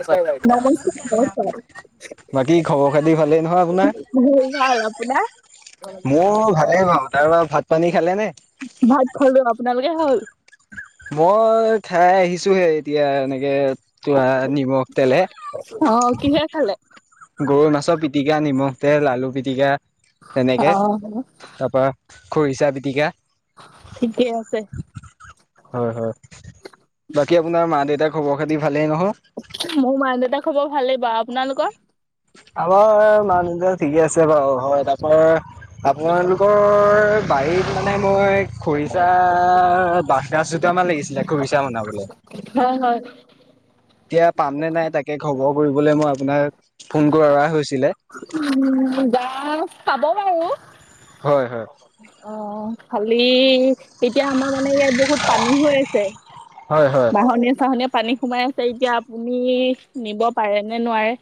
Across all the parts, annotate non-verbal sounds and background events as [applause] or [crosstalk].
নমস্কাৰ বাইদেউ। নমস্কাৰ ঘৰ ক'ত? বাকী খবৰ খাতি ভালেই নহয় আপোনাৰ? মোৰ ভাল। আপোনাৰ? মোৰ ভালে বাৰু। তাৰ পৰা ভাত পানী খালে নে? ভাত খালোঁ। আপোনালোকে হ'ল? মই খাই আহিছো হে এতিয়া এনেকে তোৱা নিমখ তেলে অ কিহে খালে গৰৈ মাছৰ পিটিকা, নিমখ তেল আলু পিটিকা, তেনেকে, অ তাপা খৰিচা পিটিকা। ঠিকে আছে। হয় হয় বাকী আপোনাৰ মা দেউতাক খবৰ খাতি ভালেই নহয়? মোৰ মা দেউতাক খবৰ ভালেই বাও, আপোনালোকৰ? আমাৰ মা-দেউতা ঠিকে আছে বাওঁ হয় তাপাৰ আমাৰ আপোনালোকৰ বাৰীত মানে মই খৰিচা বাহগাজ দোটামান লাগিছিলে খৰিচা বনাবলে। হয় হয় এতিয়া পাম নে নাই তাকে খবৰ কৰিবলৈ মই আপোনাক ফোন কৰা হৈছিলে। উম! গাজ পাব বাৰু। হয় হয় অ খালি এতিয়া আমাৰ মানে ইয়াত বহুত পানী হৈ আছে। হয় হয় বাহনীয়া চাহনীয়া পানী সোমাই আছে এতিয়া আপুনি নিব পাৰে নে নোৱাৰে।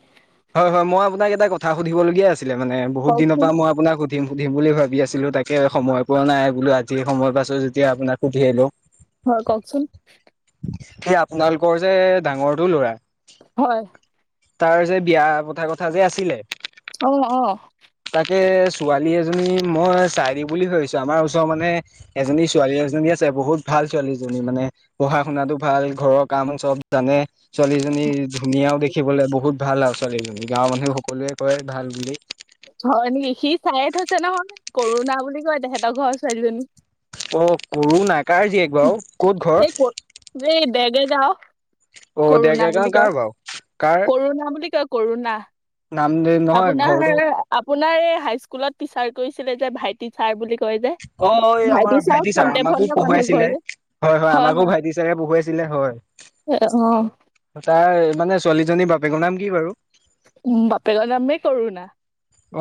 হয় হয় মই আপোনাক এটা কথা সুধিবলগীয়া আছিলে মানে বহুত দিনৰ কওকচোন পৰা মই আপোনাক সু সুধিম সুধিম বুলি ভাবি আছিলো তাকে সময় পোৱা নাই বোলো আজি সময় পাইছো যেতিয়া আপোনাক সুধিয়েই লও। হয় কওঁকচোন। সেই আপোনালোকৰ যে ডাঙৰটো ল'ৰা হয় তাৰ যে বিয়া পতা কথা যে আছিলে? অ অ তাকে ছোৱালী এজনী মই চাই দিম বুলি ভাবিছোঁ আমাৰ ওচৰৰ মানে এজনী ছোৱালী এজনী আছে বহুত ভাল ছোৱালীজনী মানে পঢ়া শুনাতো, ভাল ঘৰৰ কাম চব জানে ছোৱালীজনী ধুনীয়াও দেখি দেখিবলে বহুত ভাল আও ছোৱালীজনী গাঁৱৰ মানুহে সকলোৱে কয় ভাল বুলি হয় নেকি সি চাইয়ে থৈছে নহয় কৰুণা বুলি কয় তেহেঁতৰ ঘৰৰ ছোৱালীজনী অ কৰো নাই কাৰ জীয়েক বাৰু ক'ত ঘৰ সেই ক'ত এই বেগে গাওঁ অ কৰুণা ডেৰগাঁও গাঁও বুলি কাৰ কয়, বাৰু কাৰ কৰুণা বুলি কয়, কৰুণা। নাম দিল আপোনাৰ আপোনাৰ এই হাইস্কুলত টিচাৰ কৈছিলে যে ভাই টিচাৰ বুলি কয়, যে অ এই আমাৰ ভাইটি চাৰ ছাৰ ফন্টে আমাকো ফন্টে মানুহ পঢ়ুৱাইছিলে ঘৰ যে হয় হয় আমাকো ভাইটি চাৰে পঢ়োৱাইছিলে হয়। অ তাইৰ মানে ছোৱালীজনীৰ বাপেকৰ নাম কি বাৰু বাপেকৰ নামেই কৰুণা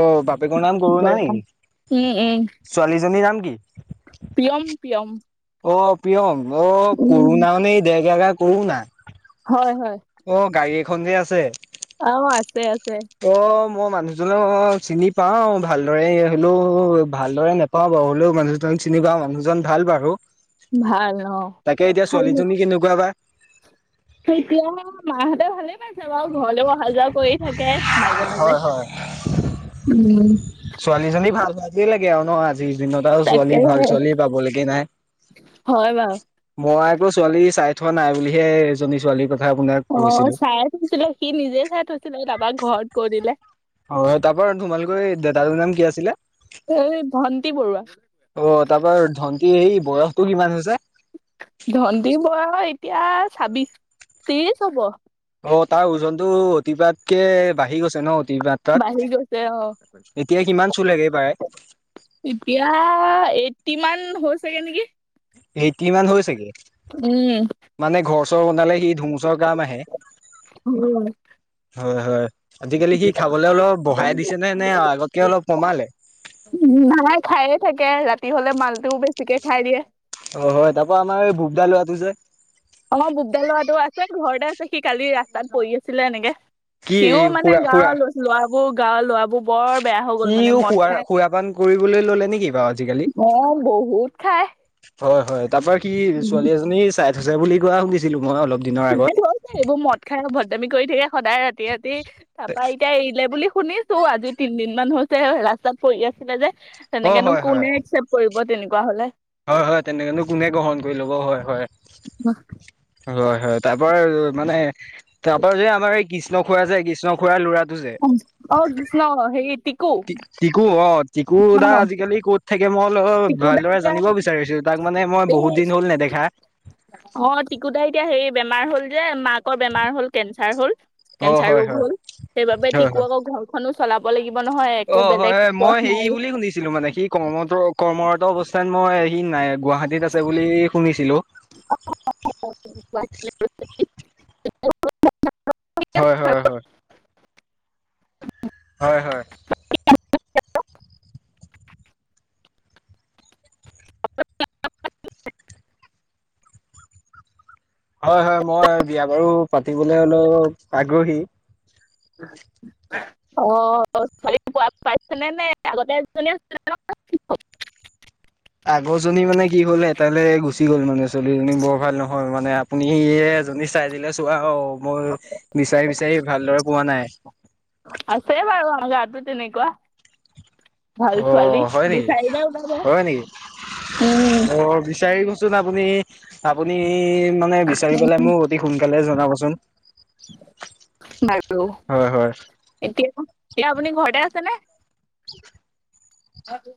অ বাপেকৰ নাম গৰুনা বৰা। নেকি, উম উম ছোৱালীজনীৰ নাম কি? প্ৰিয়ম প্ৰিয়ম অ প্ৰিয়ম অ উম কৰুণা মানে দেৰগেগা কৰুণা হয় হয় অ গাড়ী এখন যে আছে অ আছে আছে অ মই মানুহজক চিনি পাও ভালদৰে হ'লেও ভালদৰে নেপ পাওঁ বাওঁ হ'লেও মা দেউতাক চিনি পাঁও মানুহজন ভাল বাৰু ভাল অ তাকে এতিয়া খালি ছোৱালীজনী কেনেকুৱা বা এতিয়া মাহঁতে ভালে পাইছে বাৰু ঘৰলৈয়ো অহা যোৱা কৰি থাকে মাজে মাজে, হয় হয়। উম ছোৱালীজনী ভাল ভাজেই লাগে আৰু ন আজি যিদিনত আও ছোৱালী তাকে ভাল ছোৱালী পাবলৈগে নাই। হয় বাৰু মই আকৌ ছোৱালী চাই থোৱা নাই বুলিহে এজনী ছোৱালী কথা আপোনাক অ' কৈছিলো। চাই থৈছিলে সি নিজে চাই থৈছিলে তাপা ঘৰত কৈ দিলে অ', তাপা তোমাৰলোকৰ এই দাদাটো নাম কি আছিলে এই ধণ্টি বৰুৱা অ' তাপা ধনটিৰ এ বয়সতটো কিমান হৈছে ধন্তী বয়স এতিয়া ছাব্বিশ ত্ৰিশ হ'ব অ' তাৰ ওজনটো অতিপাতকে বাঢ়ি গৈছে ন কিবা বাঢ়ি তাত গৈছে অ এতিয়া কিমান চুলেগে পাই এতিয়া এইটটি মান হৈচেগে নেকি এইটটি মান হৈছে গে উম মানে ঘৰ চৰ বনালে সি ধুমুচৰ কাম আহে উম হয় হয় আজিকালি সি খাবলে অলপ বহাই দিছে নে নে আগতকে অলপ কমালে নাই খায়ে থাকে ৰাতি হলে মালটোও বেছিকে খাই দিয়ে অ' তাপা আমাৰ বুবদা ল'ৰাটো যে অ', বুবদা লৰাটো আছে ঘৰতে আছে সি কালি ৰাস্তাত পৰি আছিলে এনেকে কি সিও মানে খুৰা খুৰা গাঁৱৰ ল'ৰাবোৰ গাঁৱৰ ল'ৰাবোৰ বৰ বেয়া হৈ গল মানে সিও খুৰা মদ খাই খুৰাপান কৰিবলৈ ললে নেকি বাৰু আজিকালি অ' বহুত খাই হয় হয় তাৰ পৰা কি ছোৱালী এজনী চাই থৈছে বুলি কোৱা শুনিছিলো মই অলপ দিনৰ এই আগত ধৰক এইবোৰ মদ খাই অভদ্ৰামি কৰি থাকে সদায় ৰাতি ৰাতি তাৰপা এতিয়া এৰিলে বুলি শুনিছো চো আজি তিনদিন মান হৈছে ৰাস্তাত পৰি আছিলে যে অ তেনেকেনো হয় হয় কোনে একচেপ কৰিব তেনেকুৱা হলে হয় হয় তেনেকেনো কোনে গ্ৰহণ কৰি ল'ব হয় হয় হয় হয় তাৰপৰা মানে তাৰ পৰা যে আমাৰ এই কিছ কৃষ্ণ খুৰা যে, কৃষ্ণ খুৰাৰ ল'ৰাটো যে। অ' কৃষ্ণ হেৰি টিক টিক টিকু অ' টিকু দা আজিকালি ক'ত থাকে মই অলপ টিকু দা ভালদৰে এতিয়া জানিব বিচাৰিছো তাক মানে মই এই বহুত দিন হ'ল নেদেখা অ' টিকুদাই এতিয়া সেই বেমাৰ হল যে মাক বেমাৰ হ'ল কেঞ্চাৰ হল অ কেঞ্চাৰ হয় ৰোগ হয় হ'ল সেইবাবে হয় টিকু হয় আকৌ ঘৰখনো চলাব লাগিব নহয় অ একো বেলেগ পথ নাই কৰ্মত কৰ্মৰত অৱস্থাত মই হি নাই গুৱাহাটীত আছে বুলি শুনিছিলো [unintelligible] [unintelligible] হয় হয় হয়। হয় হয়। হয় হয় মই বিয়া বাৰু পাতিবলৈ অলপ আগ্ৰহী। অ' ছোৱালী পাইছেনে নে আগতে এজনী আছিলে নহয়। আগৰজনী মানে কি হল এটালৈ গুচি গ'ল মানে ছোৱালীজনী বৰ ভাল নহল মানে। আপুনি এজনী চাই দিলে চোৱা অ' মই বিচাৰি বিচাৰি ভালদৰে পোৱা নাই। আছে বাৰু আমাৰ গাঁও তো তেনেকুৱা। ভাল অ ছোৱালী হয় নেকি বিচাৰিলে ওলাব। হয় নেকি উম অ' বিচাৰি দিবচোন চোন আপুনি, আপুনি মানে বিচাৰি পেলাই মোক অতি সোনকালে জনাবচোন। বাৰু হয় হয় হয় এতিয়া, এতিয়া আপুনি ঘৰতে আছেনে?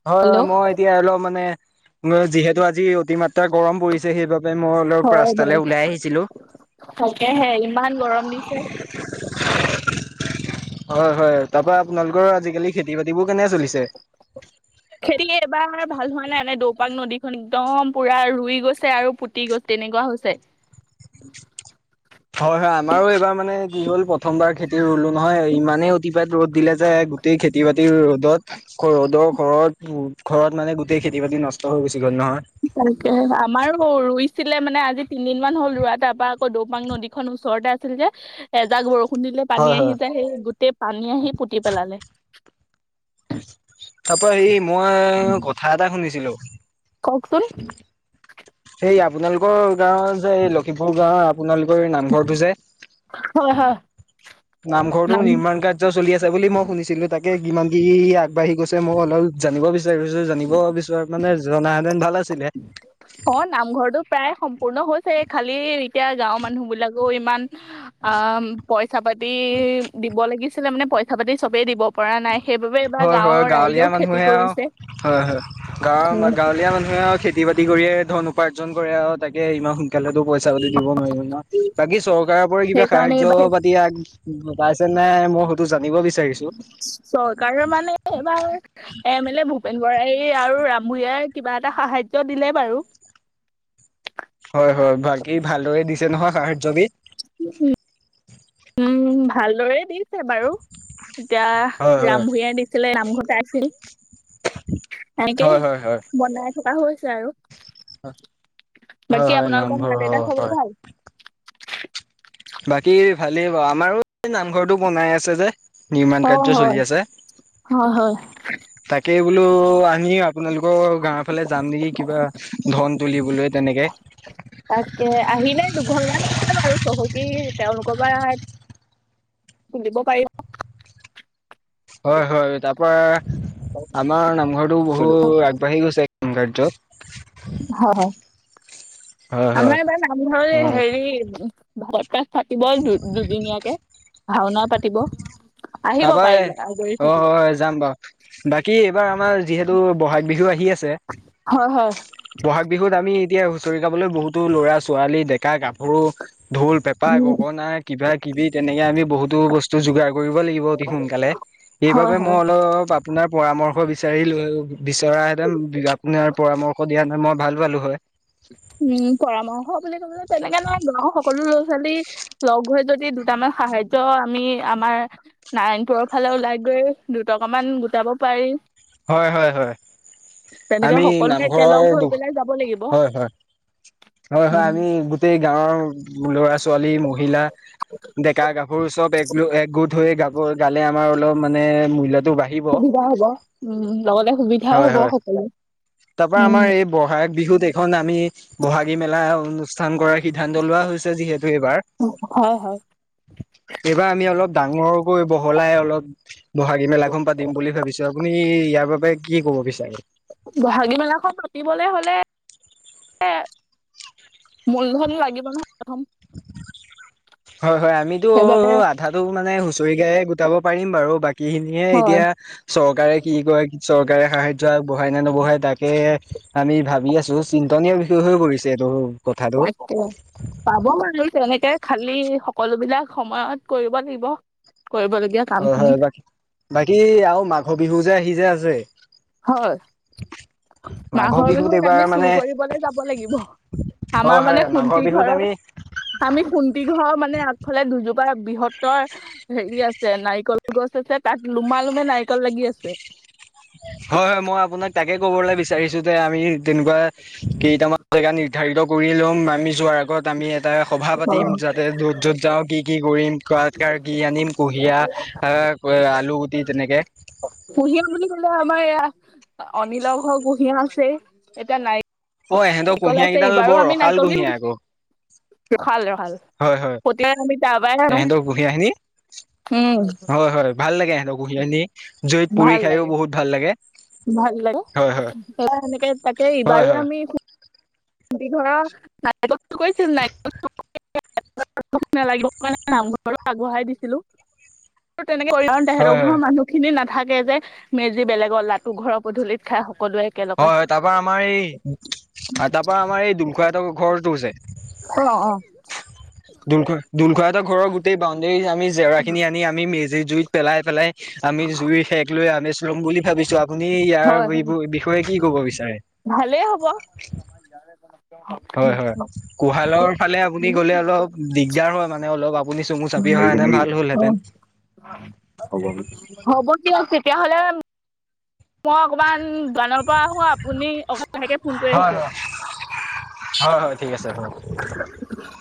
হয় হয় মই এতিয়া অলপ মানে যিহেতু আজি অতিমাত্ৰ। গৰম পৰিছে, সেইবাবে মই অলপ ৰাস্তালৈ ওলাই আহিছিলোঁ। থাকেহে ইমান গৰম দিছে। হয় হয় তাৰপা আপোনালোকৰ আজিকালি খেতি-বাতিবোৰ কেনে চলিছে? [inaudible] খেতি এবাৰ ভাল হোৱা নাই মানে, দৌপাক নদীখন একদম পুৰা ৰুই গৈছে আৰু পু টি গৈছে এনেকুৱা হৈছে। হয় হয় আমাৰো এইবাৰ মানে কি হ'ল প্ৰথমবাৰ খেতি ৰুলো নহয় ইমানেই অতিপাত ৰ'দ দিলে যে গো টেই খেতি-বাতি ৰ'দত আকৌ ৰ'দৰ ঘৰত, ঘৰত মানে গোটেই খেতি-বাতি নষ্ট হৈ গুছি গ'ল নহয়। তাকে, আমাৰো ৰুইছিলে মানে আজি তিনদিন মান হ'ল ৰোৱা তাৰপা আকৌ দৌপাং নদী খন ওচৰতে আ ছিল যে, এজাক বৰষুণ দিলে পানী আহি যায় সেই গোটেই পানী আহি পুতি পেলালে। তাৰপা হেৰি মই কথা এটা শুনিছিলো। কওকচোন। সেই আপোনালোকৰ গাওৰ যে এই লখিমপুৰ গাওৰ আপোনালোকৰ নামঘৰটো যে। হয় হয়। নামঘৰটো নাম নিৰ্মাণ কাৰ্য চলি আছে বুলি মই শুনিছিলো তাকে কিমান কি আগবাঢ়ি গৈছে মই অলপ জানিব বিচাৰিছো জানিব বিচৰা মানে জনাহেঁতেন ভাল আছিলে। অ' নামঘৰটো প্ৰায় সম্পূৰ্ণ হৈছে খালি এতিয়া গাঁওৰ মানুহ বিলাকেও ইমান আ, পইচা পাতি দিব লাগিছিলে মানে পইচা পাতি চবেই দিব পৰা নাই। সেইবাবে এইবাৰ হয় হয়, গাঁৱৰ গাঁৱলীয়া ৰাইজেও খেতি মানুহে আৰু কৰিছে হয় হয় গাঁৱৰ গাঁৱলীয়া মানুহে আৰু খে তি বাতি কৰিয়ে ধন উপাৰ্জন কৰে আৰু তাকে ইমান সোনকালেতো পইচা পাতি দিব নোৱাৰিব ন। বাকী চৰকাৰৰ পৰা কিবা সেইকাৰণে সাহায্য এইবাৰ পাতি আগ পাইছে নে মই সেতো জানিব বিচাৰিছো। চৰকাৰৰ মানে এবাৰ এম এল এ ভূপেন বৰাই আৰু ৰামভূঞাই কিবা এটা সাহাৰ্য্য দিলে বাৰু। হয় হয় বাকী ভালদৰে দিছে নহয় সাহাৰ্য্য বিধ? উম। উম ভালদৰে দিছে বাৰু এতিয়া হয় হয় ৰাম ভূঞাই দি ছিলে নামঘৰত [unintelligible] তাকেই হয় হয় হয় বনাই থকা হৈছে আৰু। হয় বাকী হয় আপোনালোকৰ নামঘৰ হয় মা-দেউতাৰ খবৰ হয় ভাল? বাকী ভালেই বাৰু আমাৰো এই নামঘৰটো বনাই আছে যে। নিৰ্মাণ অ কাৰ্য চলি হয়, আছে হয় হয়। তাকেই বোলো আ মি আপোনালোকৰ গাওৰ ফালে যাম নেকি কিবা ধন তুলিবলৈ তেনেকে। তাকে আহিলে দুঘৰমান আছে বাৰু চহকী তেওঁলোকৰ পৰা তুলিব পাৰিবা। হয় হয় তাৰ পৰা আমাৰ নামঘৰটো বহুত আগবাঢ়ি গৈছে কাম কাৰ্য। হয় হয়, হয় আমাৰ হয়। এইবাৰ নামঘৰত হয় হেৰি ভাগৱত পাঠ পাতিব দু দুদিনীয়াকে ভাওনা পাতিব। আহিব তাৰাপাই পাৰিলে আজৰি অ হয় থাকিলে হয় যাম বাৰু। বাকী এইবাৰ আমাৰ যিহেতু ব'হাগ বিহু আহি আছে। হয় হয়। বহাগ বিহুত আমি এতিয়া হুঁচৰি গাবলৈ বহুতো ল'ৰা- ছোৱালী ডেকা- গাভৰু ঢোল, পেঁপা, উম গগনা কিবা-কিবি তেনেকে আমি বহুত বহু বস্তু যোগাৰ কৰিব লাগিব অতিসোনকালে হয় সেইবাবে মই হয় অলপ অলপ আপোনাৰ পৰামৰ্শ বিচাৰিলো বিচৰা হেঁতেন আপোনাৰ পৰামৰ্শ দিয়া হেতেন ভাল পালো হয়। উম পৰামৰ্শ বুলি ক'বলে তেনেকা নাই গাঁৱৰ সকলো ল'ৰা ছোৱালী লগ হৈ যদি দুটামান সাহায্য আমি আমাৰ নাৰায়ণপুৰৰ ফালে ওলাই গৈ দুটকা মান গোটাব পাৰি। হয় হয় হয়। তেনেকে আমি সকলোৱে এতিয়া নামঘৰৰ লগ হৈ পেলাই যাব লাগিব। হয় হয়। হয় হয় উম আমি গোটেই গাঁৱৰ ল'ৰা-ছোৱালী মহিলা ডেকা-গাভৰু চব এক একগোট হৈ গা গৈ গালে আমাৰ অলপ মানে মূল্যটো বাঢ়িব। [unintelligible] হ'ব উম লগতে সুবিধাও হয় হ'ব হয় সকলো তাৰ পৰা উম আমাৰ এই বহাগ বিহুত এইখন আমি বহাগী মেলা অনুচ ষ্ঠান কৰাৰ সিদ্ধান্ত লোৱা হৈছে যিহেতু এইবাৰ। হয় হয় এইবাৰ আমি অলপ ডাঙৰকৈ বহলাই অলপ বহাগী মেলাখন পাতিম বুলি ভাবিছো। আপুনি ইয়াৰ বাবে কি ক'ব বিচাৰে? বহাগী মেলাখন পাতিবলে হ'লে এ মূলধন লাগিব নহয় প্ৰথম। হয়, হয়। আমিতো সেইবাবে আধাটো মানে হুঁচৰি গায়ে গোটাব পাৰিম বাৰু। বাক কি খিনিয়ে হয় এতিয়া চৰকাৰে কি কৰে? চৰকাৰে সাহায্য আগবঢ়ায় নে নবঢ়ায় তাক সেই আমি ভাবি আছো। চিন্তনীয় বিষয় হৈ পৰিছে এইটো। কথাটো তাকে। পাব পাৰি তেনেকে খালি সকলো বিলাক সময়ত কৰিব লাগিব কৰিবলগীয়া। কাম হয়, খিনি হয় বাকী বাকী আৰু মাঘৰ বিহু যে আহি যে আছে হয়, মাঘৰ বিহুত আমি চুৰ কৰিবলৈ যাব লাগিব। হয় আমাৰ হয় মানে মাঘৰ শুন্তি বিহুত আমি ঘৰৰ আমি শুন্তি ঘৰৰ মানে আগফালে দুজোপা বৃহত্তৰ হেৰি আছে নাৰিকল গছ আছে। তাত লোমা লোমে নাৰিকল লাগি আছে। হয়, হয় মই আপোনাক তাকে ক'বলে বিচাৰিছো যে আমি তেনেকুৱা কেইটামান জেগা নি নিৰ্ধাৰিত কৰি ল'ম। আমি যোৱাৰ আগত আমি এটা সভা পাতিম যাতে য'ত য'ত যাওঁ কি কি কৰিম কাৰ কাৰ কি আনিম কুঁহিয়া আহ আলুগুটি তেনেকে। কুঁহিয়া বুলি ক'লে আমাৰ এয়া অনিলৰ ঘৰৰ কুঁহিয়া আছেই। এতিয়া নাই অ এহেঁতৰ কল কুঁহিয়া আছেই। কেইডাল এইবাৰো বৰ আমি ৰসাল নাৰিকল, কুঁহিয়া আকৌ [unintelligible] হয় হয় পতিবাৰ আমি তাৰ পৰাই আনো। এহেঁতৰ কুঁহিয়া খিনি হুম। হয় হয় ভাল লাগে সিহঁতৰ কুহিয়া নি। জুইত পুৰি ভাল খাইও লাগে বহুত ভাল লাগে। ভাল লাগে হয় হয় [unintelligible] তাকে হয় ইবাৰো হয় আমি [unintelligible] [unintelligible] নেলাগিব কাৰণে নামঘৰত আগবঢ়াই দিছিলো। তেনেকে কৰিম কাৰণ হয় তেহেঁতৰ হয় ঘৰৰ হয় মানুহ খিনি নাথাকে যে। মেজি বেলেগৰ লাতু ঘৰৰ পধূলিত খাই সকলোৱে অ একেলগে তাৰ পৰা আমাৰ এই তাৰ পৰা আমাৰ এই দুুল খুৰাহঁতৰ ঘৰটো যে। অ, অ। দোলখ দোল খুৰাহঁতৰ ঘৰৰ গোটেই বাউণ্ডেৰীত আমি জেওৰাখিনি আনি আমি মেজি জুইত পেলাই পেলাই আমি জুই সেক লৈ আমেচ লম বুলি ভাবিছো। আপুনি হয় ইয়াৰ হয় এইবোৰৰ বিষয়ে কি ক'ব বিচাৰে? ভালেই হ'ব। হয়, হয়। কোহালৰ ফালে আপুনি গলে অলপ দিগদাৰ হয় মানে অলপ আ আপুনি চমু চাপি অহা এৰিছা হেতেন নেকি ভাল অ হ'লহেঁতেন। হ'ব, হ'ব দিয়ক তেতিয়াহ'লে মই অকমান দোকানৰ পৰা আহো। আপুনি অকন লাহেকে ফোন কৰি হয় আছো। হয় [inaudible] হয়, হয় ঠিক আছে [unintelligible]